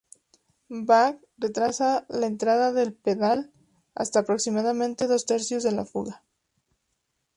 Bach retrasa la entrada del pedal hasta aproximadamente dos tercios de la fuga.